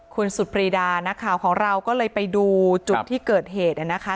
คุณสุดปรีดานักข่าวของเราก็เลยไปดูจุดที่เกิดเหตุนะคะ